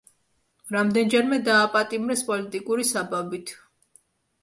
რამდენჯერმე დააპატიმრეს პოლიტიკური საბაბით.